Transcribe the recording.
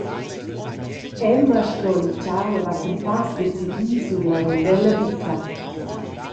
Emma scrola il tgau e va cun pass decidi sur la rundella vita.